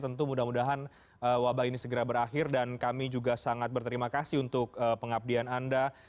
tentu mudah mudahan wabah ini segera berakhir dan kami juga sangat berterima kasih untuk pengabdian anda